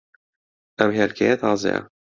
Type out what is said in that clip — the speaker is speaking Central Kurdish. ئەم ھێلکەیە تازەیە.